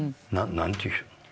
何ていう人？